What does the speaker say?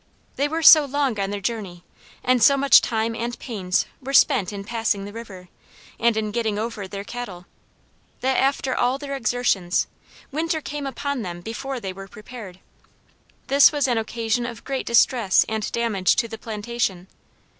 They were so long on their journey, and so much time and pains were spent in passing the river, and in getting over their cattle, that after all their exertions, winter came upon them before they were prepared. This was an occasion of great distress and damage to the plantation.